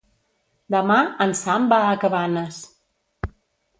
Demà en Sam va a Cabanes.